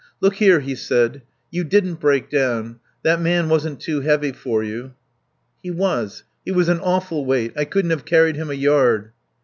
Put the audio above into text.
"Look here," he said. "You didn't break down. That man wasn't too heavy for you." "He was. He was an awful weight. I couldn't have carried him a yard."